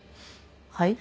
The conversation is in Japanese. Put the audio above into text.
はい？